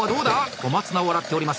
小松菜を洗っております。